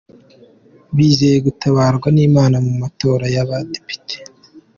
Bizeye gutabarwa n’Imana mu matora y’abadepite